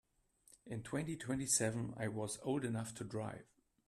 In twenty-twenty-seven I will old enough to drive.